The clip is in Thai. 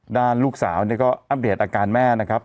ด้านลูกสาวเนี่ยก็อัปเดตอาการแม่นะครับ